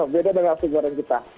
beda dengan nasi goreng kita